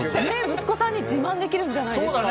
息子さんに自慢できるんじゃないですか。